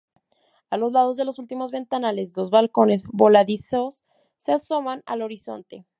A los lados de los últimos ventanales, dos balcones voladizos se asoman al horizonte.